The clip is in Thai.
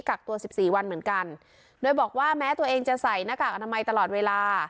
กักตัวสิบสี่วันเหมือนกันโดยบอกว่าแม้ตัวเองจะใส่หน้ากากอนามัยตลอดเวลา